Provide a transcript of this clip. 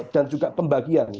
dan juga pembagian